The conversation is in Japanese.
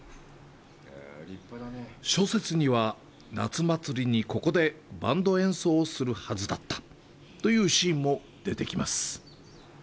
小説には、「夏祭りにここでバンド演奏をするはずだった」というシーンも出てきます。